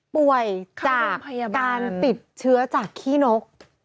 ป่วยจากการติดเชื้อจากขี้นก